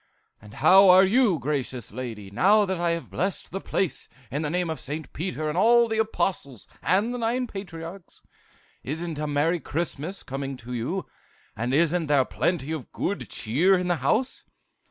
"'And how are you, gracious lady, now that I have blessed the place in the name of Saint Peter and all the Apostles and the nine patriarchs? Isn't a merry Christmas coming to you? And isn't there plenty of good cheer in the house?